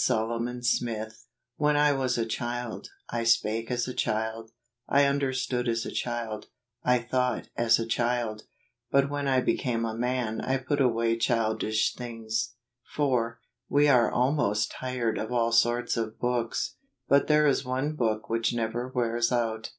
Solomon Smith. " When /teas a child, I spake as a child, I un¬ derstood as a child, / thought as a child: but when I became a man I put axcay childish things ." 4. We are almost tired of all sorts of books, but there is one Book which never wears out.